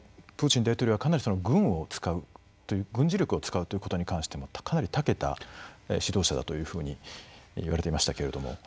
プーチン大統領はかなり軍を使う軍事力を使うということに関してかなりたけた指導者だというふうにいわれていましたけれども。